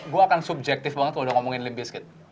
gue akan subjektif banget kalau udah ngomongin limp bizkit